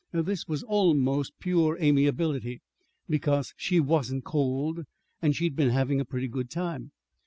This was almost pure amiability, because she wasn't cold, and she'd been having a pretty good time.